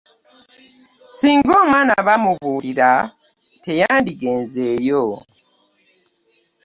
Singa omwana baamubuulira teyandigenze yo.